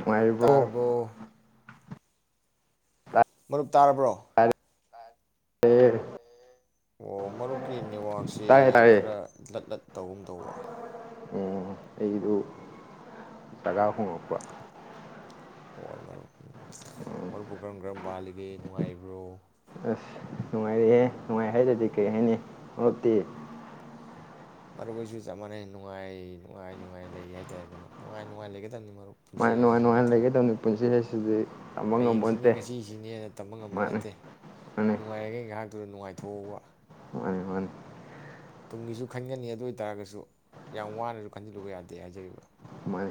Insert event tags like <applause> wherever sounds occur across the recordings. ꯅꯨꯡꯉꯥꯏꯔꯤꯕ꯭ꯔꯣ ꯇꯥꯕꯨꯣ ꯃꯔ ꯇꯥꯔꯕ꯭ꯔꯣ ꯍ ꯑꯣ ꯃꯔꯨꯞꯀꯤ ꯅꯦꯠꯋꯥꯛꯁ ꯇꯥꯏꯌꯦ ꯇꯥꯏꯌꯦ ꯈꯔ ꯂꯠ ꯂꯠ ꯇꯧꯒꯨꯝ ꯇꯧꯕ ꯎ ꯑꯩꯗꯨ ꯇꯀꯥ ꯍꯣꯡꯉꯛꯄ ꯍꯣꯢ ꯃꯔꯨꯞ ꯃꯔꯨꯞꯄꯨ ꯀꯔꯝ ꯀꯔꯝ ꯄꯥꯜꯂꯤꯒꯦ ꯅꯨꯡꯉꯥꯏꯔꯤꯕ꯭ꯔꯣ꯫ ꯅꯨꯡꯉꯥꯏꯔꯍꯦ ꯅꯨꯡꯉꯥꯏ ꯍꯥꯏꯔꯗꯤ ꯀꯩ ꯍꯥꯏꯅꯤ ꯃꯠꯇꯦ꯫ ꯃꯔꯨꯞ ꯑꯣꯏꯁꯨ ꯆꯞ ꯃꯥꯟꯅꯩ ꯅꯨꯡꯉꯥꯏ ꯅꯨꯡꯉꯥꯏ ꯅꯨꯡꯉꯥꯏ ꯂꯩ ꯍꯥꯏꯇꯥꯔꯦ ꯃꯔꯨꯞ ꯅꯨꯡꯉꯥꯏ ꯅꯨꯡꯉꯥꯏ ꯂꯩꯒ ꯃꯔꯨꯞ ꯄꯨꯟꯁꯤ ꯃꯥ ꯅꯨꯡꯉꯥꯏ ꯍꯥꯏꯁꯤꯗꯤ ꯅꯨꯡꯉꯥꯏꯅ ꯅꯠꯇ꯭ꯔꯥ ꯂꯩꯒꯗꯕꯅꯤ ꯄꯨꯟꯁꯤ ꯍꯥꯏꯁꯤꯗꯤ ꯇꯝꯕ ꯍꯌꯦꯡꯁꯤꯅꯤ ꯉꯝꯄꯣꯟꯇꯦ ꯉꯁꯤꯁꯤꯅꯦꯅ ꯇꯝꯕ ꯉꯝꯕ ꯃꯥꯅꯤ ꯅꯠꯇꯦ ꯃꯥꯅꯤ ꯅꯨꯡꯉꯥꯏꯔꯒꯩ ꯉꯥꯏꯍꯥꯛ ꯑꯗꯨꯅ ꯅꯨꯡꯉꯥꯏꯊꯣꯛꯧꯕ ꯃꯥꯅꯤ ꯃꯥꯅꯤ ꯇꯨꯡꯒꯤꯁꯨ ꯈꯟꯒꯅꯤ ꯑꯗꯨ ꯑꯣꯏ ꯇꯔꯒꯁꯨ ꯌꯥꯝ ꯋꯥꯅꯁꯨ ꯈꯟꯖꯤꯜꯂꯨꯕ ꯌꯥꯗꯦ ꯍꯥꯏꯖꯔꯤꯕ ꯃꯥꯅꯤ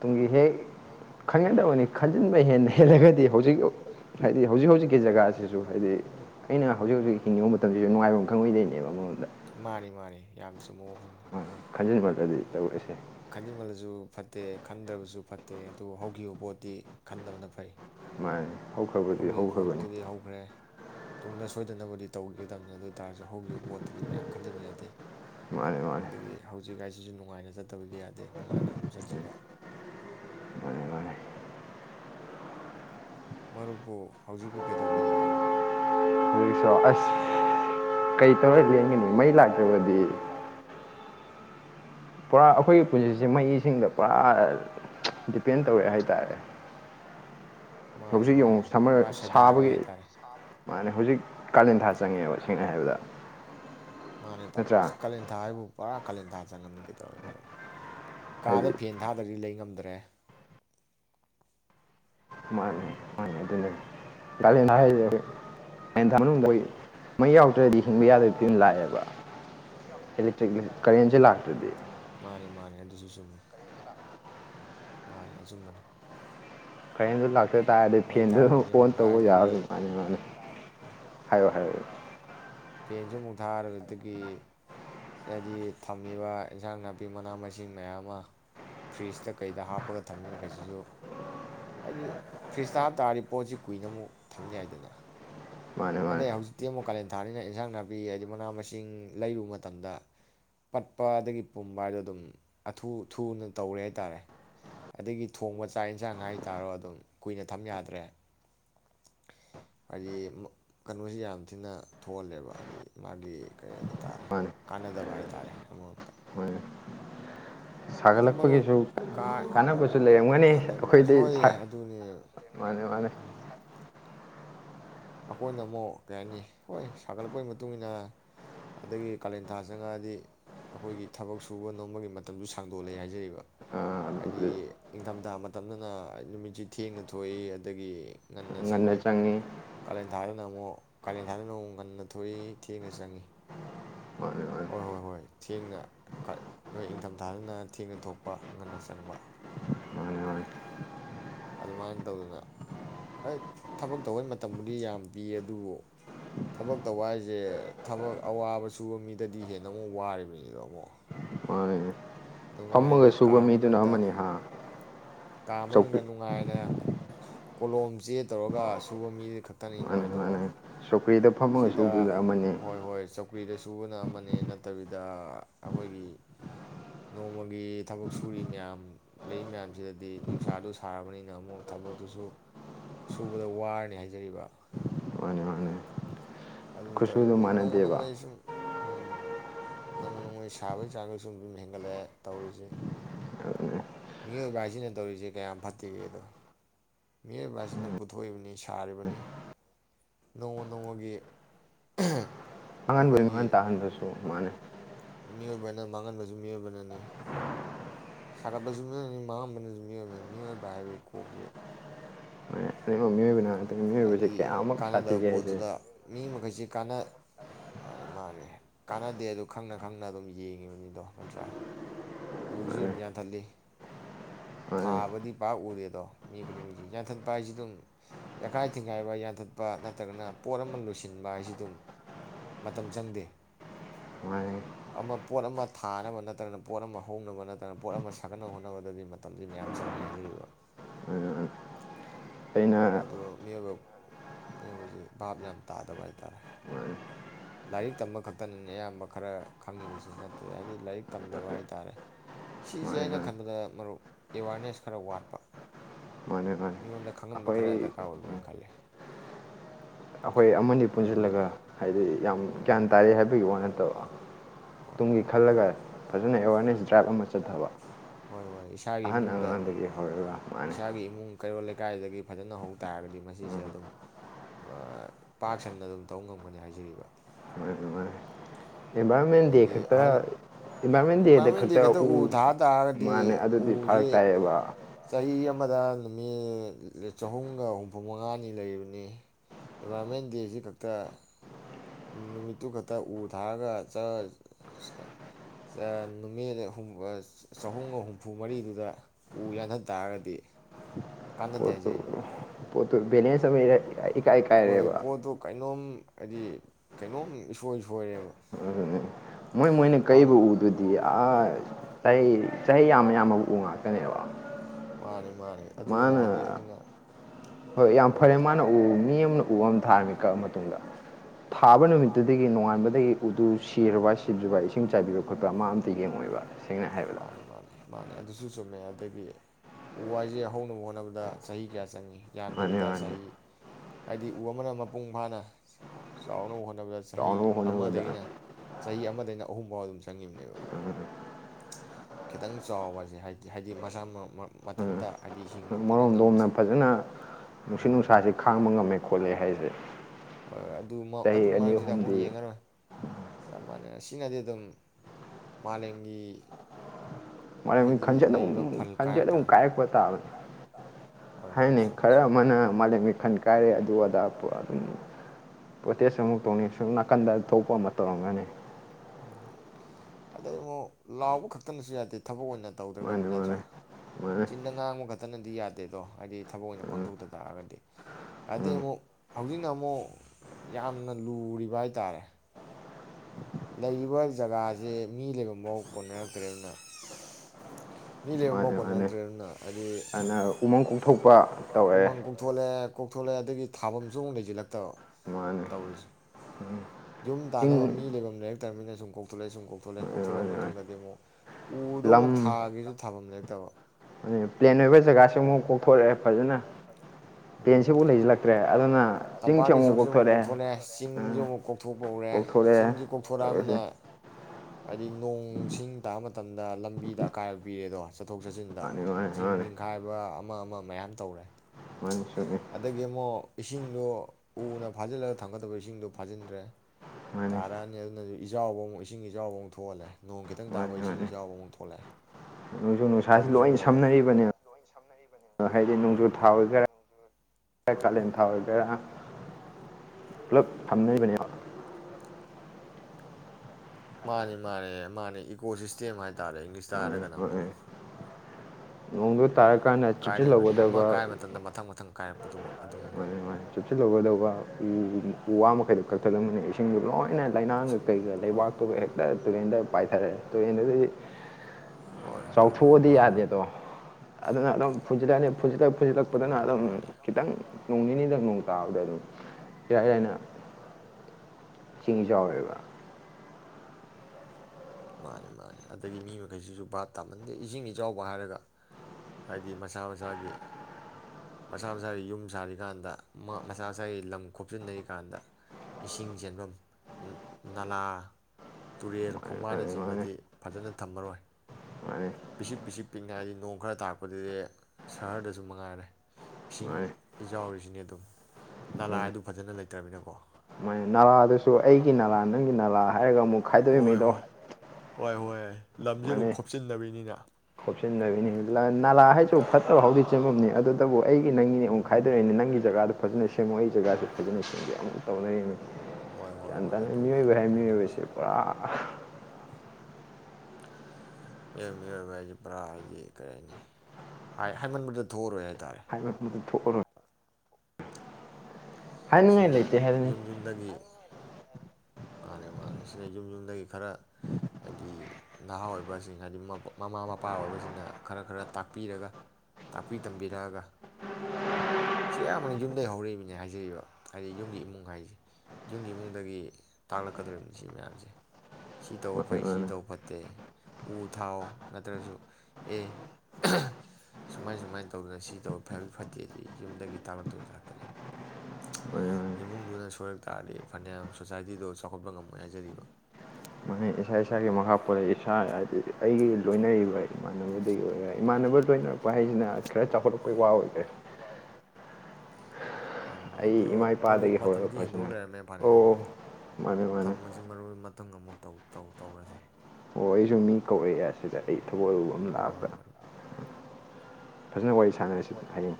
ꯇꯨꯡꯒꯤ ꯍꯦꯛ ꯈꯟꯒꯗꯕꯅꯤ ꯈꯟꯖꯤꯟꯕ ꯍꯦꯟꯅ ꯍꯦꯜꯂꯒꯗꯤ ꯍꯧꯖꯤꯛ ꯍꯥꯏꯗꯤ ꯍꯧꯖꯤꯛ ꯍꯧꯖꯤꯛꯀꯤ ꯖꯒꯥꯁꯤꯁꯨ ꯍꯥꯏꯗꯤ ꯑꯩꯅ ꯍꯧꯖꯤꯛ ꯍꯧꯖꯤꯛ ꯍꯤꯡꯉꯤꯕ ꯃꯇꯝꯁꯤꯁꯨ ꯅꯨꯡꯉꯥꯏꯕꯝ ꯈꯪꯉꯣꯏꯗꯣꯏꯅꯦꯕ ꯑꯃꯔꯣꯝꯗ ꯃꯥꯅꯤ ꯃꯥꯅꯤ ꯌꯥꯝ ꯆꯨꯝꯕ ꯋꯥꯐꯝꯅꯤ ꯈꯟꯖꯤꯟꯕꯗꯤ ꯇꯧꯔꯛꯏꯁꯦ ꯈꯟꯖꯤꯟꯃꯜꯂꯁꯨ ꯐꯠꯇꯦ ꯈꯟꯗ꯭ꯔꯕꯁꯨ ꯐꯠꯇꯦ ꯑꯗꯨꯕꯨ ꯍꯧꯈꯤꯕ ꯄꯣꯠꯇꯤ ꯈꯟꯗꯕꯅ ꯐꯩ ꯃꯥꯥꯏ ꯍꯧꯈ꯭ꯔꯕꯗꯤ ꯍꯧꯈꯤꯕ ꯍꯧꯈ꯭ꯔꯕꯅꯤ ꯄꯣꯠꯇꯨꯗꯤ ꯍꯧꯈ꯭ꯔꯦ ꯇꯨꯡꯗ ꯁꯣꯏꯗꯅꯕꯕꯨꯗꯤ ꯇꯧꯈꯤꯒꯗꯕꯅꯤ ꯑꯗꯨ ꯑꯣꯏ ꯇꯥꯔꯁꯨ ꯍꯧꯈꯤꯕ ꯄꯣꯠꯇ ꯑꯗꯨꯗꯤ ꯃꯌꯥꯝ ꯈꯟꯖꯤꯟꯕ ꯌꯥꯗꯦ ꯃꯥꯅꯤ ꯃꯥꯅꯤ ꯑꯗꯒꯤ ꯍꯧꯖꯤꯛ ꯁꯤꯁꯨ ꯅꯨꯡꯉꯥꯏꯅ ꯆꯠꯇꯕꯗꯤ ꯌꯥꯗꯦ ꯅꯨꯡꯉꯥꯏꯅ ꯑꯗꯨꯝ ꯆꯠꯈꯤꯕ ꯃꯥꯅꯤ ꯃꯥꯅꯤ ꯃꯔꯨꯞꯄꯨ ꯍꯧꯖꯤꯛꯄꯨ ꯀꯩꯗꯧꯕꯤꯔꯤꯒꯦ? ꯍꯧꯖꯤꯛꯁꯨ ꯑꯁ ꯀꯩ ꯇꯧꯔ ꯌꯦꯡꯒꯅꯤ ꯃꯩ ꯂꯥꯛꯇ꯭ꯔꯕꯗꯤ ꯄꯨꯔꯥ ꯑꯩꯈꯣꯏꯒꯤ ꯄꯨꯟꯁꯤꯁꯤꯦ ꯁꯤ ꯃꯩ ꯏꯁꯤꯡꯗ ꯄꯨꯔꯥ ꯗꯤꯄꯦꯟ ꯇꯧꯔꯦ ꯍꯥꯏꯇꯥꯔꯦ ꯃꯥꯅꯤ ꯍꯧꯖꯤꯛ ꯃꯥꯅꯤ ꯌꯦꯡꯉ ꯁꯃꯔ ꯄꯨꯔꯥ ꯁꯩꯗꯥꯡꯉꯦ ꯁꯥꯕꯒꯤ ꯍꯥꯏꯇꯥꯔꯦ ꯃꯥꯅ ꯍꯧꯖꯤꯛ ꯀꯥꯂꯦꯟ ꯊꯥ ꯆꯪꯉꯦꯕ ꯁꯦꯡꯅ ꯍꯥꯏꯕꯗ ꯅꯠꯇ꯭ꯔꯥ ꯀꯥꯂꯦꯟꯊꯥ ꯆꯪꯉꯝꯅꯤ ꯀꯩꯗꯧꯔꯣ ꯃꯔꯨꯞ ꯀꯥꯗ ꯍꯥꯏꯗꯤ ꯐꯦꯟ ꯊꯥꯗꯔꯤ ꯂꯩ ꯉꯝꯗꯕ ꯇ꯭ꯔꯦ ꯃꯥꯅꯦ ꯃꯥꯅꯦ ꯑꯗꯨꯅꯤ ꯀꯥꯂꯦꯟ ꯊꯥ ꯍꯥꯏ ꯀꯥꯂꯦꯟ ꯊꯥ ꯍꯥꯏꯁꯤꯦ ꯑꯩꯈꯣꯏ ꯍꯤꯡꯕ ꯌꯥꯗꯕ ꯀꯥꯂꯦꯟꯊꯥ ꯐꯤꯕꯝ ꯃꯅꯨꯡꯗ ꯂꯥꯛꯑꯦꯕ ꯑꯩꯈꯣꯏ ꯃꯩ ꯌꯥꯎꯗ꯭ꯔꯗꯤ ꯏꯂꯦꯛꯇ꯭ꯔꯤꯛ ꯍꯤꯡꯕ ꯌꯥꯗꯗꯤꯝ ꯀꯔꯦꯟꯁꯦ ꯂꯥꯛꯑꯦꯕ ꯂꯥꯛꯇ꯭ꯔꯗꯤ ꯃꯥꯅꯤ ꯃꯥꯅꯤ ꯑꯗꯨꯁꯨ ꯁꯨꯝ ꯃꯥꯅꯦ ꯑꯆꯨꯝꯕꯅꯤ ꯀꯩꯏꯡꯁꯨ ꯂꯥꯛ ꯆ ꯇꯥꯔꯗꯤ ꯃꯩ ꯐꯦꯟꯗ ꯑꯗꯨꯝ ꯊꯥꯗꯔꯗꯤ ꯑꯣꯟ ꯑꯃꯨꯛ ꯇꯧꯕ ꯌꯥꯔꯣꯏ ꯀꯥꯏꯗꯒꯤ ꯃꯥꯅꯤ ꯃꯥꯅꯤ ꯍꯥꯏꯌꯣ ꯍꯥꯏꯌꯣ ꯐꯦꯟꯁꯨ ꯑꯃꯨꯛ ꯊꯥꯕꯗꯒꯤ ꯍꯥꯏꯗꯤ ꯊꯝꯃꯤꯕ ꯏꯟꯁꯥꯡ ꯅꯥꯄꯤ ꯃꯅꯥ ꯃꯁꯤꯡ ꯃꯌꯥꯝ ꯑꯃ ꯐ꯭ꯔꯤꯖꯇ ꯀꯩꯗ ꯍꯥꯞꯄꯒ ꯊꯝꯃꯤ ꯃꯈꯩꯁꯤꯁꯨ ꯍꯥꯏꯗꯤ ꯐ꯭ꯔꯤꯖꯇꯥꯥ ꯍꯥꯞꯇꯥꯔꯗꯤ ꯄꯣꯠꯁꯤ ꯀꯨꯏꯅ ꯑꯃꯨꯛ ꯊꯝ ꯌꯥꯏꯗꯅ ꯃꯥꯅꯦ ꯃꯥꯅꯦ ꯑꯗꯩ ꯍꯧꯖꯤꯛꯇꯤ ꯑꯃꯨꯛ ꯀꯥꯂꯦꯟ ꯊꯥꯅꯤꯅ ꯏꯟꯁꯥꯡ ꯅꯥꯄꯤ ꯍꯥꯏꯗꯤ ꯃꯅꯥ ꯃꯁꯤꯡ ꯂꯩꯔꯨꯕ ꯃꯇꯝꯗ ꯄꯠꯄ ꯑꯗꯒꯤ ꯄꯨꯝꯕ ꯍꯥꯏꯗꯣ ꯑꯗꯨꯝ ꯑꯊꯨ ꯊꯨꯅ ꯇꯧꯔꯦ ꯍꯥꯏꯇꯥꯔꯦ ꯑꯗꯒꯤ ꯊꯣꯡꯕ ꯆꯥꯛ ꯌꯦꯟꯁꯥꯡ ꯍꯥꯏꯇꯥꯔꯣ ꯑꯗꯨꯝ ꯀꯨꯏꯅ ꯊꯝ ꯌꯥꯗ꯭ꯔꯦ ꯍꯥꯏꯗꯤ ꯀꯩꯅꯣꯁꯤ ꯌꯥꯝ ꯊꯤꯅ ꯊꯣꯛꯍꯜꯂꯦꯕ ꯍꯥꯏꯗꯤ ꯃꯥꯒꯤ ꯀꯔꯤ ꯍꯥꯏ ꯇꯥꯔꯦ ꯃꯥꯅꯦ ꯀꯥꯟꯅꯗꯕ ꯍꯥꯏ ꯇꯥꯔꯦ ꯑꯃꯔꯣꯝꯗ ꯃꯥꯅꯦ ꯑꯗꯨꯝ ꯃꯔꯨꯞ ꯁꯥꯒꯠꯂꯛꯄꯒꯤꯁꯨ ꯀꯥ ꯃꯔꯨ ꯀꯥꯟꯅꯕꯁꯨ ꯂꯩꯔꯝꯒꯅꯤ ꯍꯟꯗꯛ ꯃꯔꯛ ꯑꯩꯈꯣꯏꯗꯤ ꯍꯣꯏ ꯑꯗꯨꯅꯦ ꯃꯥꯅꯦ ꯃꯥꯅꯦ ꯎꯝ ꯑꯩꯈꯣꯏꯅ ꯑꯃꯨꯛ ꯀꯩ ꯍꯥꯏꯅꯤ ꯍꯣꯏ ꯁꯥꯒꯠꯂꯛꯄꯩ ꯃꯇꯨꯡ ꯏꯟꯅ ꯑꯗꯒꯤ ꯀꯥꯂꯦꯟ ꯊꯥ ꯆꯪꯉꯛꯑꯗꯤ ꯑꯩꯈꯣꯏꯒꯤ ꯊꯕꯛ ꯁꯨꯕ ꯅꯣꯝꯕꯒꯤ ꯃꯇꯝꯁꯨ ꯁꯥꯡꯗꯣꯛꯂꯛꯑꯦ ꯍꯥꯏꯖꯔꯤꯕ ꯑꯥ ꯍꯥꯏꯗꯤ ꯑꯗꯨꯗꯤ ꯏꯪꯊꯝꯊꯥ ꯃꯇꯝꯗꯅ ꯅꯨꯃꯤꯠꯁꯤ ꯊꯦꯡꯅ ꯊꯣꯛꯏ ꯑꯗꯒꯤ ꯉꯟꯅ ꯉꯟꯅ ꯆꯪꯈꯤ ꯆꯪꯅꯤ ꯀꯥꯂꯦꯟ ꯊꯥꯗꯅ ꯑꯃꯨꯛ ꯀꯥꯂꯦꯟ ꯊꯥꯗꯅ ꯑꯃꯨꯛ ꯉꯟꯅ ꯊꯣꯛꯏ ꯊꯦꯡꯅ ꯆꯪꯉꯤ ꯃꯥꯅꯦ ꯃꯥꯅꯦ ꯍꯣꯏ ꯍꯣꯏ ꯍꯣꯏ ꯊꯦꯡꯅ ꯍꯣꯏ ꯏꯪꯊꯝꯊꯥꯗꯅ ꯊꯦꯡꯅ ꯊꯣꯛꯄ ꯉꯟꯅ ꯆꯪꯕ ꯃꯥꯅꯦ ꯃꯥꯅꯦ ꯑꯗꯨꯃꯥꯏꯅ ꯇꯧꯗꯅ ꯍ ꯊꯕꯛ ꯇꯧꯕꯩ ꯃꯇꯝꯕꯨꯗꯤ ꯌꯥꯝ ꯄꯤꯌꯦ ꯑꯗꯨꯕꯨ ꯊꯕꯛ ꯇꯧꯕ ꯍꯥꯏꯁꯦ ꯊꯕꯛ ꯑꯋꯥꯕ ꯁꯨꯕ ꯃꯤꯗꯗꯤ ꯍꯦꯟꯅ ꯑꯃꯨꯛ ꯋꯥꯔꯤꯕꯅꯤꯗꯣ ꯑꯃꯨꯛ ꯃꯥꯅꯦ ꯐꯝꯃꯒ ꯅꯨꯡꯉꯥꯏꯅ ꯀꯥ ꯁꯨꯕ ꯃꯤꯗꯨꯅ ꯃꯅꯨꯡꯗ ꯑꯃꯅꯤ ꯍꯥ ꯀꯥ ꯃꯅꯨꯡꯗ ꯆꯧꯀ꯭ꯔꯤ ꯅꯨꯡꯉꯥꯏꯅ ꯀꯣꯂꯣꯝ ꯆꯦ ꯇꯧꯔꯒ ꯁꯨꯕ ꯃꯤꯗꯨ ꯈꯛꯇꯅꯤ ꯅꯨꯡꯉꯥꯏꯗꯧꯕ ꯆꯣꯀ꯭ꯔꯤꯗ ꯐꯝꯃꯒꯁꯨ ꯑꯃꯅꯤ ꯀꯨꯏꯅ ꯁꯨꯕꯅ ꯑꯃ ꯅꯠꯇꯕꯤꯗ ꯑꯩꯈꯣꯏꯒꯤ ꯅꯣꯡꯃꯒꯤ ꯊꯕꯛ ꯁꯨꯔꯤ ꯃꯌꯥꯝ ꯂꯩ ꯃꯌꯥꯝꯁꯤꯗꯗꯤ ꯅꯨꯡꯁꯥꯗꯨ ꯁꯥꯔꯕꯅꯤꯅ ꯑꯃꯨꯛ ꯊꯕꯛꯇꯨꯁꯨ ꯁꯨꯕꯗ ꯋꯥꯔꯅꯤ ꯍꯥꯏꯖꯔꯤꯕ ꯃꯥꯅꯦ ꯃꯥꯅꯦ ꯑꯗꯨꯅ ꯇꯧꯋꯤ ꯈꯨꯠꯁꯨꯗꯣ ꯑꯗꯨꯗꯩ ꯅꯣꯡꯃ ꯃꯥꯟꯅꯗꯦꯕ ꯅꯣꯡꯃꯒꯤ ꯁꯨꯝ ꯎꯝ ꯅꯣꯡꯃ ꯅꯣꯡꯃ ꯁꯥꯕꯩ ꯆꯥꯕꯒꯤ ꯁꯨꯝ ꯑꯗꯨꯝ ꯍꯦꯟꯒꯠꯂꯛꯑꯦ ꯇꯧꯔꯤꯁꯦ ꯃꯤꯑꯣꯏꯕ ꯍꯥꯏꯁꯤꯅ ꯇꯧꯔꯤꯁꯦ ꯀꯌꯥꯝ ꯐꯠꯇꯦꯒꯦꯗꯣ ꯃꯤꯑꯣꯏꯕ ꯑꯁꯤꯅ ꯄꯨꯊꯣꯛꯏꯕꯅꯤ ꯁꯥꯔꯤꯕꯅꯤ ꯅꯣꯡꯃ ꯅꯣꯡꯃꯒꯤ ꯑꯩꯈꯣꯏ ꯃꯥꯛꯍꯟ ꯑꯩꯈꯣꯏꯒꯤ ꯇꯥꯍꯟ ꯕꯁꯨ ꯃꯥꯅꯦ ꯃꯤꯑꯣꯏꯕꯅ ꯃꯥꯡꯍꯟꯕꯁꯨ ꯃꯤꯑꯣꯏꯕꯅꯅꯤ ꯁꯥꯒꯠꯄꯁꯨ ꯃꯤꯑꯣꯏꯅꯤ ꯃꯥꯡꯉꯝꯕꯅꯁꯨ ꯃꯤꯑꯣꯏꯅꯤ ꯃꯤꯑꯣꯏꯕ ꯍꯥꯏꯕꯗꯤ ꯀꯣꯛꯁꯦ ꯇꯥꯏꯕꯪ ꯃꯤꯑꯣꯏꯕꯅ ꯉꯥꯛꯇꯅꯤ ꯃꯤꯑꯣꯏꯕꯁꯦ ꯍꯥꯏꯗꯤ ꯀꯌꯥꯃꯨꯛ ꯀꯥꯟꯅꯗꯕ ꯁꯥꯊꯤꯒꯦ ꯍꯥꯏꯁꯦ ꯄꯣꯠꯇꯨꯗ ꯃꯤ ꯃꯈꯩꯁꯦ <unintelligible> ꯀꯥꯟꯅꯗꯦ ꯑꯗꯨ ꯈꯪꯅ ꯈꯪꯅ ꯑꯗꯨꯝ ꯌꯦꯡꯉꯤꯕꯅꯤꯗꯣ ꯅꯠꯇ꯭ꯔꯥ ꯎꯁꯨ ꯌꯥꯝ ꯌꯥꯟ ꯊꯜꯂꯤ ꯃꯥꯅꯦ ꯊꯥꯕꯗꯤ ꯄꯥꯛ ꯎꯔꯦꯗꯣ ꯃꯤ ꯈꯨꯗꯤꯡꯃꯛꯁꯤ ꯌꯥꯟꯊꯠꯄ ꯍꯥꯏꯁꯤ ꯑꯗꯨꯝ ꯌꯥꯈꯥꯏ ꯊꯤꯡꯒꯥꯏꯕ ꯌꯥꯟꯊꯠꯄ ꯅꯠꯇ꯭ꯔꯒꯅ ꯄꯣꯠ ꯑꯃ ꯂꯣꯏꯁꯤꯟꯕ ꯍꯥꯏꯁꯤ ꯑꯗꯨꯝ ꯃꯇꯝ ꯆꯪꯗꯦ ꯃꯥꯅꯦ ꯑꯃ ꯄꯣꯠ ꯑꯃ ꯊꯥꯅꯕ ꯅꯠꯇ꯭ꯔꯒꯅ ꯄꯣꯠ ꯑꯃ ꯍꯧꯅꯕ ꯅꯠꯇ꯭ꯔꯒꯅ ꯄꯣꯠ ꯑꯃ ꯁꯥꯒꯠꯅꯕ ꯍꯣꯠꯅꯕꯗꯗꯒꯤ ꯃꯇꯝꯗꯤ ꯃꯌꯥꯝ ꯆꯪꯉꯦ ꯍꯥꯏꯖꯔꯤꯕ ꯃꯥꯅꯦ ꯃꯥꯅꯦ ꯑꯩꯅ ꯑꯗꯣ ꯃꯤꯑꯣꯏꯕ ꯃꯤꯑꯣꯏꯕꯁꯤ ꯚꯥꯞ ꯌꯥꯝ ꯇꯥꯗꯕ ꯍꯥꯏ ꯇꯥꯔꯦ ꯃꯥꯅꯦ ꯂꯥꯏꯔꯤꯛ ꯇꯝꯕ ꯈꯛꯇꯅꯤꯅꯦ ꯑꯌꯥꯝꯕ ꯈꯔ ꯈꯪꯉꯤꯕꯁꯤ ꯅꯠꯇꯗ ꯍꯥꯏꯗꯤ ꯂꯥꯏꯔꯤꯛ ꯇꯝꯗꯕ ꯍꯥꯏ ꯇꯥꯔꯦ ꯁꯤꯁꯦ ꯃꯥꯅꯦ ꯑꯩꯅ ꯃꯥꯅꯦ ꯈꯟꯕꯗ ꯃꯔꯨꯞ ꯑꯦꯋꯥꯔꯅꯦꯁ ꯈꯔ ꯋꯥꯠꯄ ꯃꯥꯅꯦ ꯃꯥꯅꯦ ꯃꯤꯉꯣꯟꯗ ꯈꯪꯍꯟꯕ ꯈꯔ ꯑꯩꯈꯣꯏ ꯗꯔꯀꯥꯔ ꯑꯣꯏꯕꯣꯏꯅ ꯈꯜꯂꯦ ꯑꯩꯈꯣꯏ ꯑꯃꯗꯤ ꯍꯥꯏꯗꯤ ꯄꯨꯟꯁꯤꯜꯂꯒ ꯍꯥꯏꯗꯤ ꯌꯥꯝ ꯍꯣꯏ ꯒ꯭ꯌꯥꯟ ꯍꯣꯏ ꯇꯥꯔꯦ ꯍꯥꯏꯕꯒꯤ ꯋꯥ ꯅꯠꯇꯕ ꯃꯥꯅꯤ ꯇꯨꯡꯒꯤ ꯃꯥꯅꯤ ꯈꯜꯂꯒ ꯐꯖꯅ ꯑꯦꯋꯥꯔꯅꯦꯁ ꯗ꯭ꯔꯥꯏꯕ ꯑꯃ ꯆꯠꯊꯕ ꯍꯣꯏ ꯍꯣꯏ ꯏꯁꯥꯒꯤ ꯑꯍꯟ ꯏꯃꯨꯡꯗ ꯑꯉꯥꯡꯗꯒꯤ ꯍꯧꯔꯛꯒ ꯃꯥꯅ ꯏꯁꯥꯒꯤ ꯏꯃꯨꯡ ꯀꯩꯔꯣꯜ ꯂꯩꯀꯥꯏꯗꯒꯤ ꯐꯖꯅ ꯍ ꯇꯥꯔꯒꯗꯤ ꯃꯁꯤꯁꯦ ꯑꯗꯨꯝ ꯄꯥꯛꯁꯟꯅ ꯑꯗꯨꯝ ꯇꯧꯕ ꯉꯝꯒꯅꯤ ꯍꯥꯏꯖꯔꯤꯕ ꯃꯥꯅꯦ ꯃꯥꯅꯦ ꯏꯟꯚꯥꯏꯔꯣꯟꯃꯦꯟ ꯗꯦ ꯍꯥꯏꯗꯤ ꯈꯛꯇ ꯑꯍꯜ ꯏꯟꯚꯥꯏꯔꯣꯟꯃꯦꯟ ꯗꯦꯗ ꯏꯟꯚꯥꯏꯔꯣꯟꯃꯦꯟꯗꯤ ꯈꯛꯇ ꯎ ꯊꯥ ꯃꯥꯅꯦ ꯇꯥꯔꯒꯗꯤ ꯑꯗꯨꯗꯤ ꯐꯔꯛ ꯎꯁꯦ ꯇꯥꯏꯌꯦꯕ ꯃꯤ ꯆꯍꯨꯝꯒ ꯍꯨꯝꯐꯨ ꯃꯉꯥꯅꯤ ꯂꯩꯔꯤꯕꯅꯤ ꯏꯟꯚꯥꯏꯔꯣꯟꯃꯦꯟ ꯗꯦꯁꯤ ꯈꯛꯇ ꯅꯨꯃꯤꯠꯇꯨ ꯈꯛꯇ ꯎ ꯊꯥꯔꯒ ꯅꯨ <unintelligible> ꯆꯍꯨꯝꯒ ꯍꯨꯝꯐꯨ ꯃꯔꯤꯗꯨꯗ ꯎ ꯌꯥꯟꯊꯟ ꯇꯥꯔꯒꯗꯤ ꯀꯥꯟꯅꯗꯦ ꯄꯣꯠꯇꯨ ꯍꯥꯏꯖꯔꯤꯕ ꯄꯣꯠꯇꯨ <unintelligible> ꯍꯣꯏ ꯀꯥꯏꯔꯦꯕ ꯄꯣ ꯇ ꯀꯩꯅꯣꯝ ꯍꯥꯏꯗꯤ ꯀꯩꯅꯣꯝ ꯏꯁꯣꯏ ꯁꯣꯏꯔꯦꯕ ꯑꯗꯨꯅꯤ ꯃꯣꯏ ꯃꯣꯏꯅ ꯀꯩꯕ ꯎꯗꯨꯗꯤ ꯑꯥ ꯆꯍꯤ ꯆꯍꯤ ꯌꯥꯝ ꯌꯥꯝꯕ ꯎ ꯉꯥꯛꯇꯅꯦꯕ <unintelligible> ꯑꯗꯨꯅ ꯍꯥꯏꯗꯤ ꯃꯥꯅ ꯑꯗꯨꯅ ꯍꯣꯏ ꯌꯥꯝ ꯐꯔꯦ ꯃꯥꯅ ꯎ ꯃꯤ ꯑꯃꯅ ꯎ ꯑꯃ ꯊꯥꯔꯝꯃꯤ ꯀꯛꯑ ꯃꯇꯨꯡꯗ <unintelligible> ꯅꯨꯃꯤꯠꯇꯨꯗꯒꯤ ꯅꯣꯡꯉꯥꯟꯕꯗꯒꯤ ꯎꯗꯨ ꯁꯤꯈꯔꯕ ꯁꯤꯗ꯭ꯔꯤꯕ ꯏꯁꯤꯡ ꯆꯥꯏꯕꯤꯕ ꯈꯣꯠꯄ ꯑꯃ ꯑꯝꯇ ꯌꯦꯡꯉꯣꯏꯕ ꯁꯦꯡꯅ ꯍꯥꯏꯕꯗ ꯃꯥꯅꯦ ꯑꯗꯨꯁꯨ ꯆꯨꯝꯃꯦ ꯑꯗꯒꯤ ꯎ ꯋꯥꯏꯁꯦ ꯍꯧꯅꯕ ꯍꯣꯠꯅꯕꯗ ꯆꯍꯤ ꯀꯌꯥ ꯆꯪꯏ ꯃꯥꯅꯦ ꯌꯥꯝꯗꯕꯤꯗ ꯃꯥꯅꯦ ꯆꯍꯤ ꯍꯥꯏꯗꯤ ꯎ ꯑꯃꯅ ꯃꯄꯨꯡ ꯐꯥꯅ ꯆꯥꯎꯅꯕ ꯍꯣꯠꯅ <unintelligible> ꯆꯍꯤ ꯆꯥꯎꯅꯕ ꯍꯣꯠꯅꯕꯗ ꯑꯃꯗꯒꯤꯅ ꯆꯍꯤ ꯑꯃꯗꯒꯤꯅ ꯑꯍꯨꯝ ꯐꯥꯎ ꯑꯗꯨꯝ ꯆꯪꯉꯤꯕꯅꯦꯕ ꯈꯤꯇꯪ ꯆꯥꯎꯕꯁꯦ ꯍꯥꯏꯗꯤ ꯍꯥꯏꯗꯤ ꯃꯁꯥ ꯃꯊꯟꯇ ꯍꯥꯏꯗꯤ ꯍꯤꯡꯕ ꯐꯩꯅ ꯑꯗꯣꯝꯅ ꯉꯝꯕꯁꯦ ꯐꯖꯅ ꯍꯣꯏ ꯅꯨꯡꯁꯤꯠ ꯍꯣꯏ ꯍꯣꯏ ꯅꯨꯡꯁꯥꯥꯁ ꯈꯥꯡꯕ ꯉꯝꯃꯦ ꯈꯣꯠꯂꯦ ꯍꯥꯏꯁꯦ ꯍꯣꯏ ꯍꯣꯏ ꯑꯗꯨ ꯑꯗꯨ ꯆꯍꯤ ꯑꯅꯤ ꯃꯔꯛꯁꯤꯗ ꯑꯃꯨꯛ ꯑꯍꯨꯝꯗꯤ ꯌꯦꯡꯉꯔꯣꯏ ꯆꯞ ꯃꯥꯟꯅꯩ ꯁꯤꯅꯗꯤ ꯑꯗꯨꯝ ꯃꯥꯂꯦꯝꯒꯤ ꯃꯔ ꯍꯥꯏꯗꯤ ꯈꯟꯖꯠ ꯑꯗꯨ ꯂꯩꯔꯤꯕ ꯐꯜ ꯈꯟꯖꯠ ꯀꯥꯏꯔ ꯑꯃꯨꯛ ꯇꯥꯕꯅꯤ ꯀꯥꯏꯔꯛꯄ ꯇꯥꯕꯅꯦ ꯍꯣꯏ ꯍꯣꯏ ꯍꯥꯏꯅꯤ ꯆꯨꯝꯃꯤ ꯈꯔ ꯆꯨꯝꯃꯤ ꯑꯃꯅ ꯃꯥꯂꯦꯝꯒꯤ ꯈꯜ ꯀꯥꯏꯔꯦ ꯑꯗꯨ ꯑꯗꯥ ꯑꯗꯨꯝ ꯇꯦꯁ ꯑꯃꯨꯛ ꯇꯧꯅꯤ ꯁꯨꯝ ꯅꯥꯀꯟꯗ ꯊꯣꯛꯄ ꯑꯃ ꯇꯧꯔꯝꯒꯅꯤ ꯑꯗꯩ ꯑꯃꯨꯛ ꯂꯥꯎꯕ ꯈꯛꯇꯅꯁꯨ ꯌꯥꯗꯦ ꯊꯕꯛ ꯑꯣꯏꯅ ꯇꯧꯗ꯭ꯔꯒꯗꯤ ꯃꯥꯅꯦ ꯅꯠꯇ꯭ꯔꯥ ꯃꯥꯅꯦ ꯃꯥꯅꯦ ꯆꯤꯟꯗ ꯉꯥꯡꯕ ꯈꯛꯇꯅꯗꯤ ꯌꯥꯗꯦꯗꯣ ꯍꯥꯏꯗꯤ ꯊꯕꯛ ꯑꯣꯏꯅ ꯄꯥꯡꯊꯣꯛꯇ ꯇꯥꯔꯒꯗꯤ ꯑꯗꯩ ꯎꯝ ꯑꯃꯨꯛ ꯍꯧꯖꯤꯛꯅ ꯑꯃꯨꯛ ꯌꯥꯝ ꯌꯥꯝꯅ ꯂꯨꯔꯤꯕ ꯍꯥꯏꯇꯥꯔꯦ꯫ ꯂꯩꯔꯤꯕ ꯖꯒꯥꯁꯦ ꯃꯤ ꯂꯩꯐꯝꯐꯥꯎ ꯀꯣꯟꯅꯔꯛꯇ꯭ꯔꯦꯅ ꯃꯤ ꯃꯥꯅꯦ ꯂꯩꯐꯝꯐꯥꯎ ꯃꯥꯅꯦ ꯀꯣꯟꯅꯔꯛꯇ꯭ꯔꯦ ꯑꯗꯨꯅ ꯍꯥꯏꯗꯤ ꯍꯥꯟꯅ ꯎꯃꯪ ꯀꯣꯛꯊꯣꯛꯄ ꯇꯧꯔꯑꯦ ꯀꯣꯛꯊꯣꯂꯛꯑꯦ ꯑꯗꯒꯤ ꯊꯥꯐꯝꯁꯨ ꯑꯃꯨꯛ ꯂꯩꯁꯤꯜꯂꯛꯇꯕ ꯃꯥꯅꯦ ꯇꯧꯔꯤꯁꯦ ꯌꯨꯝ ꯇꯥꯟꯅꯕ ꯆꯤꯡ ꯃꯤ ꯂꯩꯐꯝ ꯂꯥꯏꯔꯤꯛ ꯇꯝꯃꯤꯟꯅ ꯁꯨꯝ ꯀꯣꯀꯊꯣꯛꯂꯦ ꯁꯨꯝ ꯀꯣꯛꯊꯣꯛꯂꯦ ꯃꯥꯅꯦ ꯀꯣꯛꯊꯣꯛꯂꯛ ꯃꯥꯅꯦ ꯃꯥꯅꯦ ꯃꯇꯨꯡꯗꯗꯤ ꯑꯃꯨꯛ ꯎꯗꯣ ꯃꯨꯛ ꯂꯝ ꯊꯥꯒꯦꯅ ꯊꯥꯕꯝ ꯂꯩ ꯇꯕ꯫ ꯄ꯭ꯂꯦꯟ ꯑꯣꯏꯕ ꯖꯒꯥꯁꯤ ꯑꯃꯨꯛ ꯀꯣꯛꯊꯣꯔꯛꯑꯦ ꯐꯖꯅ ꯎꯝ ꯄ꯭ꯂꯦꯟꯁꯤꯕꯨ ꯂꯩꯁꯤꯜꯂꯛꯇ꯭ꯔꯦ ꯑꯗꯨꯅ ꯆꯤꯡꯁ ꯑꯃꯨꯛ ꯀꯣꯛꯊꯣꯔꯛꯑꯦ꯫ ꯑꯥ <unintelligible> ꯀꯣꯛꯄ ꯍꯧꯔꯦ ꯀꯣꯛꯊꯣꯔꯛꯑꯦ ꯆꯤꯡꯒꯤ ꯇꯧꯔꯤꯁꯦ ꯀꯣꯛꯊꯣꯔꯛꯑꯝꯅꯤꯅ ꯍꯥꯏꯗꯤ ꯅꯣꯡꯁꯤꯡ ꯇꯥꯕ ꯃꯇꯝꯗ ꯂꯝꯕꯤꯗ ꯑꯀꯥꯏꯕ ꯄꯤꯔꯦꯗꯣ ꯆꯠꯊꯣꯛ ꯆꯠꯁꯤꯟꯗ ꯃꯥꯅꯦ ꯃꯥꯅꯦ ꯆꯤꯡ ꯃꯥꯅꯦ ꯅꯤꯡꯈꯥꯏꯕ ꯑꯃ ꯑꯃ ꯃꯌꯥꯝ ꯇꯧꯔꯦ ꯃꯥꯅꯤ ꯆꯨꯝꯃꯤ ꯑꯗꯒꯤ ꯑꯃꯨꯛ ꯏꯁꯤꯡꯗꯣ ꯎꯅ ꯐꯥꯖꯤꯜꯂꯒ ꯊꯝꯒꯗꯕ ꯏꯁꯤꯡꯗꯣ ꯐꯥꯖꯤꯟꯗ꯭ꯔꯦ ꯃꯥꯅꯤ ꯇꯥꯔꯅ ꯑꯗꯨꯅꯁꯨ ꯏꯆꯥꯎꯕ ꯑꯃꯨꯛ ꯏꯁꯤꯡ ꯏꯆꯥꯎꯕ ꯑꯃꯨꯛ ꯊꯣꯛꯍꯜꯂꯦ ꯅꯣꯡ ꯈꯤꯇꯪ ꯇꯥꯕ ꯃꯥꯅꯤ ꯏꯁꯤꯡ ꯏꯆꯥꯎꯕ ꯑꯃꯨꯛ ꯊꯣꯛꯂꯛꯑꯦ ꯅꯨꯡꯁꯥꯁꯨ ꯂꯣꯏ ꯇꯧꯔꯤꯁꯤꯕꯣ ꯁꯝꯅꯔꯤꯕꯅꯦꯕ ꯍꯥꯏꯗꯤ ꯍꯣꯏ ꯅꯣꯡꯖꯨ ꯊꯥ ꯍꯣꯏ ꯑꯣꯏꯒꯦꯔꯥ ꯀꯥꯂꯦꯟꯊꯥ ꯑꯣꯏꯒꯦꯔꯥ ꯄꯨꯂꯞ ꯊꯝꯅꯔꯤꯕꯅꯦ ꯊꯝꯅꯔꯤꯕꯅꯦꯕ ꯑꯃ ꯁꯣꯏꯕꯗ ꯑꯃꯁꯤꯁꯨ ꯃꯥꯅꯤ ꯃꯥꯅꯦ ꯃꯥꯅꯦ ꯏꯀꯣ ꯁꯤꯁꯇꯦꯝ ꯍꯥꯏ ꯇꯥꯔꯦ ꯏꯪꯂꯤꯁꯇ ꯃꯥꯅꯦ ꯍꯥꯏꯔꯒꯅ ꯑꯃꯨꯛ꯫ <unintelligible> ꯇꯥꯔ ꯀꯥꯟꯗ ꯆꯨꯞꯁꯤꯜꯍꯧꯒꯗꯕ ꯀꯥꯏꯔꯛꯄꯗꯨꯃꯛ ꯑꯗꯨ ꯉꯝꯅ ꯆꯨꯞꯁꯤꯜꯍꯒ ꯗꯥꯕ ꯎ ꯋꯥ ꯃꯈꯩꯗꯣ ꯀꯛꯊꯠꯂꯝꯕꯅꯤ ꯏꯁꯤꯡꯗꯣ ꯂꯣꯏꯅ ꯂꯩꯅꯥꯥꯡ ꯀꯩꯒ ꯂꯩꯕꯥꯛ ꯛꯇ ꯇꯦꯟꯗ ꯄꯥꯏꯊꯔꯦ ꯇꯨꯔꯦꯜꯗꯕꯨꯗꯤ ꯍꯣꯏ ꯍꯣꯏ ꯍꯣꯏ ꯆꯥꯎꯊꯣꯛꯑꯗꯤ ꯍꯣꯏ ꯍꯣꯏ ꯌꯥꯗꯦꯗꯣ ꯑꯗꯨꯅ ꯑꯗꯨꯝ ꯐꯨꯁꯤꯜꯂꯛꯄꯗꯨꯅ ꯃꯥꯅꯤ ꯑꯗꯨꯝ ꯃꯥꯅꯤ ꯈꯤꯇꯪ ꯅꯣꯡ ꯅꯤꯅꯤꯗꯡ ꯇꯗ ꯑꯗꯨ ꯏꯔꯥ ꯌꯥꯅ ꯏꯁꯤꯡ ꯆꯥꯎꯋꯦꯕ ꯃꯥꯅꯤ ꯃꯥꯅꯤ ꯑꯗꯒꯤ ꯃꯤ ꯃꯈꯩꯁꯤꯁꯨ ꯚꯥꯠ ꯇꯥꯃꯟꯗꯦ ꯏꯁꯤꯡ ꯏꯆꯥꯎꯕ ꯍꯥꯏꯔꯒ ꯍꯥꯏꯗꯤ ꯃꯁꯥ ꯃꯁꯥꯒꯤ ꯃꯁꯥ ꯃꯁꯥꯒꯤ ꯌꯨꯝ ꯁꯥꯔꯤꯀꯥꯟꯗ ꯃꯁꯥ ꯃꯁꯥꯒꯤ ꯂꯝ ꯈꯣꯞꯆꯤꯟꯅꯔꯤꯀꯥꯟꯗ ꯏꯁꯤꯡ ꯆꯦꯟꯐꯝ ꯅꯥꯂꯥ ꯇꯨꯔꯦꯜ ꯃꯥꯅꯦ ꯃꯥꯅꯦ ꯃꯥꯅꯦ ꯈꯣꯡꯕꯥꯅꯆꯤꯡꯕꯗꯤ ꯐꯖꯅ ꯊꯝꯃꯔꯣꯏ ꯃꯥꯅꯦ ꯄꯤꯁꯤꯛ ꯄꯤꯁꯤꯛ ꯄꯤꯛꯅ ꯍꯥꯏꯗꯤ ꯅꯣꯡ ꯈꯔ ꯇꯥꯛꯔꯄꯗꯗꯤ ꯁꯍꯔꯗꯁꯨ ꯃꯉꯥꯏꯔꯦ ꯏꯁꯤꯡ ꯃꯥꯅꯦ ꯏꯆꯥꯎꯔꯤꯁꯤꯅꯤ ꯑꯗꯨꯝ ꯂꯥꯏꯗꯨ ꯐꯖꯅ ꯂꯩꯇ꯭ꯔꯃꯤꯅꯀꯣ ꯅꯥꯂꯥꯗꯨꯁꯨ ꯑꯩꯒꯤ ꯅꯂꯥ ꯅꯪꯒꯤ ꯅꯂꯥ ꯍꯥꯏꯔꯒ ꯑꯃꯨꯛ ꯈꯥꯏꯗꯣꯛꯏ ꯍꯣꯏ ꯃꯤꯗꯣ ꯍꯣꯏ ꯍꯣꯏ ꯍꯣꯏ ꯂꯝꯁꯦ ꯑꯗꯨꯝ ꯈꯣꯞꯆꯤꯟꯅꯕꯅꯤꯅ ꯀꯣꯁꯤꯟ ꯂꯩꯕꯤꯅꯤꯂ ꯅꯥꯂꯥ ꯍꯥꯏꯁꯨ ꯐꯠꯇꯕ ꯍꯥꯎꯗꯤ ꯆꯦꯟꯐꯝꯅꯤ ꯑꯗꯨꯇꯕꯨ ꯑꯩꯒꯤ ꯅꯪꯒꯤꯅꯦ ꯑꯃꯨꯛ ꯈꯥꯏꯗꯛꯏꯅꯦ ꯅꯪꯒꯤ ꯖꯒꯥꯗꯨ ꯐꯖꯅ ꯁꯦꯝꯃꯣ ꯑꯩ ꯖꯒꯥꯗ ꯐꯖꯅ ꯁꯦꯝꯒꯦ ꯑꯃꯨꯛ ꯇꯧꯅꯔꯤꯅꯤ ꯍꯣꯏ ꯍꯣꯏ ꯒꯌ꯭ꯥꯟ ꯍꯣꯏ ꯇꯥꯗꯦ ꯃꯤ ꯑꯗꯨꯅꯦ ꯑꯣꯏꯕꯁꯦ ꯑꯗꯨꯅꯦ ꯍꯥꯏꯅꯤꯡꯉꯤꯁꯦ ꯃꯤꯕꯁꯦ ꯄꯨꯔꯥ ꯃꯤꯌꯣꯏ ꯃꯤꯌꯣꯏꯕ ꯍꯥꯏꯁꯦ ꯕꯔꯥ ꯍꯥꯏꯗꯤ ꯀꯔꯤ ꯍꯥꯏꯅꯤ ꯍꯥꯏ ꯍꯥꯏꯃꯟꯕꯗ ꯊꯣꯛꯑꯔꯣꯏ ꯍꯥꯏ ꯍꯥꯏꯕꯗꯨꯗꯨ ꯊꯣꯛꯑꯔꯣꯏ ꯍꯥꯏꯅꯤꯡꯉꯥꯏ ꯁꯤꯅ ꯂꯩꯇꯦ ꯍꯥꯏꯗꯨꯅꯤ ꯌꯨꯝ ꯌꯨꯝꯗꯒꯤ ꯃꯥꯅꯤ ꯃꯥꯅꯦ ꯁꯤꯅ ꯌꯨꯝ ꯌꯨꯝꯗꯒꯤ ꯈꯔ ꯍꯥꯏꯗꯤ ꯅꯍꯥ ꯑꯣꯏꯕꯁꯤꯡ ꯍꯥꯏꯗꯤ ꯃꯃꯥ ꯃꯄꯥ ꯑꯣꯏꯕꯁꯤꯡꯅ ꯈꯔ ꯈꯔ ꯇꯥꯛꯄꯤꯔꯒ ꯇꯥꯛꯄꯤ ꯇꯝꯕꯤꯔꯛꯑꯒ ꯁꯤ ꯑꯌꯥꯝꯕꯅ ꯌꯨꯝꯗꯒꯤ ꯍꯧꯔꯛꯏꯕꯅꯦ ꯍꯥꯏꯖꯔꯤꯕ ꯍꯥꯏꯗꯤ ꯌꯨꯝꯒꯤ ꯏꯃꯨꯡ ꯍꯥꯏꯁ ꯌꯨꯝꯒꯤ ꯏꯃꯨꯡꯗꯒꯤ ꯇꯥꯛꯂꯛꯀꯗꯧꯔꯤꯕꯅꯤ ꯁꯤ ꯃꯌꯥꯝꯁꯦ ꯁꯤ ꯇꯧꯕ ꯃꯥꯅꯤ ꯐꯩ ꯁꯤ ꯃꯥꯅꯤ ꯇꯧꯕ ꯐꯠꯇꯦ ꯎ ꯊꯥꯎ ꯅꯠꯇ꯭ꯔꯁꯨ ꯑꯦ ꯁꯨꯃꯥꯏ ꯁꯨꯃꯥꯏꯅ ꯇꯧꯗꯅ ꯁꯤ ꯇꯧꯕ ꯐꯕꯗꯤ ꯐꯠꯇꯦ ꯁꯤ ꯌꯨꯝꯗꯒꯤ ꯇꯥꯛꯂꯛꯇꯣꯏꯅꯤ ꯉꯥꯛꯇꯅꯤ ꯃꯥꯅꯤ ꯃꯥꯅꯤ ꯏꯃꯨꯡꯗꯨꯅ ꯁꯣꯏꯔꯛ ꯇꯥꯔꯗꯤ ꯐꯅꯌꯥꯝ ꯁꯣꯁꯥꯏꯇꯤꯗꯣ ꯆꯥꯎꯈꯠꯄ ꯉꯝꯃꯣꯏ ꯍꯥꯏꯖꯔꯤꯕ ꯃꯥꯅꯤ ꯏꯁꯥ ꯏꯁꯥꯒꯤ ꯃꯈꯥ ꯄꯣꯜꯔꯛ ꯏꯁꯥ ꯍꯥꯏꯗꯤ ꯑꯩꯒꯤ ꯂꯣꯏꯅꯔꯤꯕ ꯏꯃꯥꯟꯅꯕꯗꯒꯤ ꯑꯣꯏꯔ ꯏꯃꯥꯟꯅꯕ ꯂꯣꯏꯅꯔꯛꯄ ꯍꯥꯏꯁꯤꯅ ꯈꯔ ꯆꯥꯎꯈꯠꯂꯛꯄꯩ ꯋꯥ ꯑꯣꯏꯗ꯭ꯔꯦ ꯃꯥꯅꯤ ꯃꯥꯅꯤ ꯑꯗꯨ ꯏꯃꯥ ꯃꯔꯨꯞ ꯏꯄꯥꯗꯒꯤ ꯍꯧꯔꯒ ꯃꯇꯝꯗꯤ ꯍꯦꯟꯗꯣꯛ ꯐꯖꯅ ꯂꯩꯔꯝꯃꯦ ꯐꯅꯌꯥꯝ ꯑꯣ ꯃꯥꯅꯦ ꯃꯥꯅꯦ ꯊꯝꯃꯁꯤ ꯃꯔꯨ ꯈꯤꯇꯪ ꯑꯃꯨꯛ ꯇꯧ ꯇꯧ ꯇꯧꯔꯁꯦ꯫ ꯑꯣ ꯑꯩꯁꯨ ꯃꯤ ꯀꯧꯔꯛꯑꯦ ꯁꯤꯗ ꯑꯩ ꯊꯕꯛ ꯑꯔꯨꯕ ꯑꯃ ꯍꯣꯏ ꯂꯥꯛꯇꯅ ꯃꯔꯨꯞ ꯐꯖꯅ ꯋꯥꯔꯤ ꯁꯥꯟꯅꯔꯁꯤ ꯍꯌꯦꯡ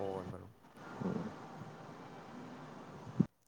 ꯍꯣꯏ ꯃꯔꯨꯞ